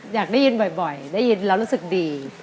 อยากได้ยินบ่อยได้ยินแล้วรู้สึกดี